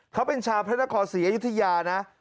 เขาเป็นชาวพระนครศรีอยุธยานะ